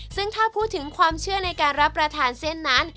ซึ่งถ้าพูดถึงความเชื่อในการรับประทานเส้นนั้น